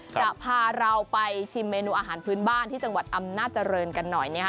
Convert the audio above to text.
จะพาเราไปชิมเมนูอาหารพื้นบ้านที่จังหวัดอำนาจริงกันหน่อยนะฮะ